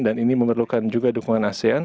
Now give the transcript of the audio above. dan ini memerlukan juga dukungan asean